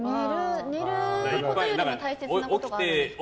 寝ることよりも大切なことがあるんですか？